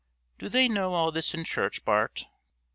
"Do they know all this in church, Bart?"